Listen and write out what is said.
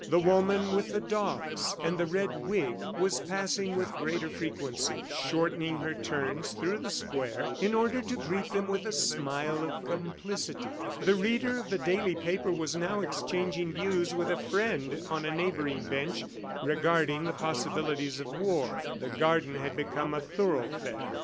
The woman with the dogs and the red wig was passing with greater frequency, shortening her turns through the square in order to greet them with a smile of complicity. The reader of the daily paper was now exchanging views with a friend on a neighboring bench regarding the possibilities of war. The garden had become a thoroughfare.